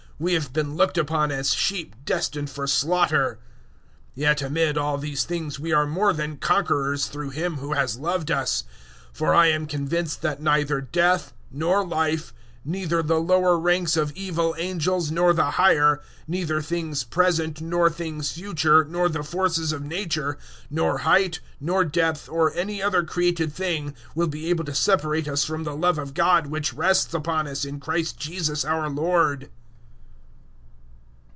We have been looked upon as sheep destined for slaughter." 008:037 Yet amid all these things we are more than conquerors through Him who has loved us. 008:038 For I am convinced that neither death nor life, neither the lower ranks of evil angels nor the higher, neither things present nor things future, nor the forces of nature, 008:039 nor height nor depth, nor any other created thing, will be able to separate us from the love of God which rests upon us in Christ Jesus our Lord.